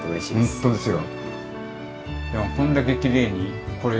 本当ですよ。